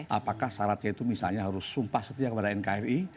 apakah syaratnya itu misalnya harus sumpah setia kepada nkri